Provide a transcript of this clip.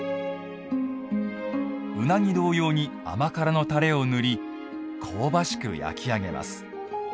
うなぎ同様に、甘辛のたれを塗り香ばしく焼きあげます。